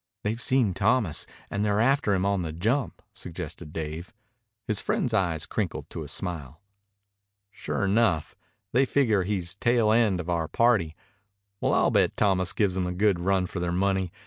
"They've seen Thomas, and they're after him on the jump," suggested Dave. His friend's eyes crinkled to a smile. "Sure enough. They figure he's the tail end of our party. Well, I'll bet Thomas gives 'em a good run for their money.